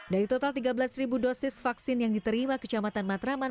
dari total tiga belas dosis vaksin yang diterima kecamatan matraman